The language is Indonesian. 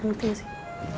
ngerti gak sih